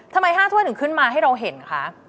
ทำไม๕ถ้วยถึงขึ้นมาให้เราเห็นคะ